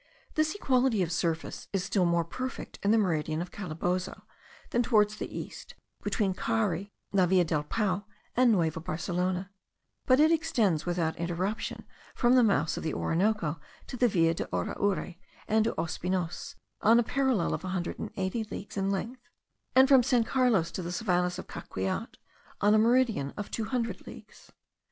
This equality of surface is still more perfect in the meridian of Calabozo, than towards the east, between Cari, La Villa del Pao, and Nueva Barcelona; but it extends without interruption from the mouths of the Orinoco to La Villa de Araure and to Ospinos, on a parallel of a hundred and eighty leagues in length; and from San Carlos to the savannahs of Caqueat, on a meridian of two hundred leagues.